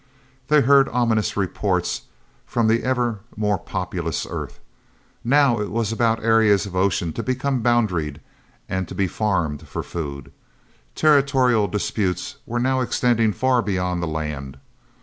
They heard ominous reports from the ever more populous Earth. Now it was about areas of ocean to become boundaried and to be "farmed" for food. Territorial disputes were now extending far beyond the land.